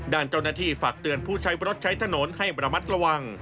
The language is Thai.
ด้านเจ้าหน้าที่ฝากเตือนผู้ใช้รถใช้ถนนให้ระมัดระวัง